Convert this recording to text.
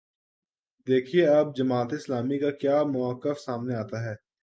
دیکھیے اب جماعت اسلامی کا کیا موقف سامنے آتا ہے۔